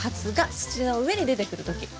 土の上に出てくる時。